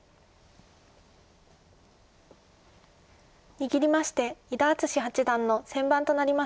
握りまして伊田篤史八段の先番となりました。